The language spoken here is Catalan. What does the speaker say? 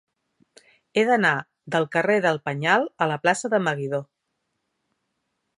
He d'anar del carrer del Penyal a la plaça de Meguidó.